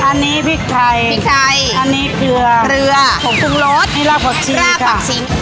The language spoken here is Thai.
อันนี้พริกไทยพริกไทยอันนี้เกลือเกลือผมปรุงรสนี่ลาบผักชีค่ะลาบผักชี